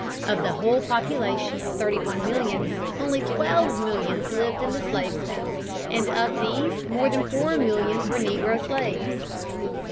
Of the whole population of thirty one millions only twelve millions lived in the slave states, and of these more than four millions were negro slaves.